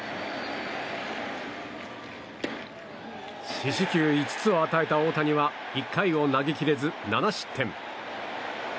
４四球５つを与えた大谷は１回を投げ切れず７失点。